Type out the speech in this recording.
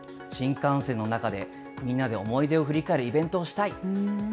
新幹線の中で、みんなで思い出を振り返るイベントをしたい！